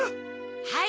はい。